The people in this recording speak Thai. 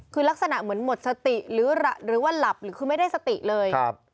คือลักษณะเหมือนหมดสติหรือว่าหลับหรือคือไม่ได้สติเลย